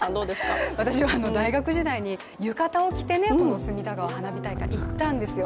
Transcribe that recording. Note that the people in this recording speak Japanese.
私は大学時代に浴衣を着てこの隅田川花火大会に行ったんですよ。